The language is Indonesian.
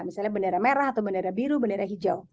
misalnya bendera merah atau bendera biru bendera hijau